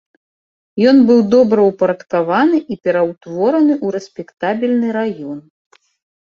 Ён быў добраўпарадкаваны і пераўтвораны ў рэспектабельны раён.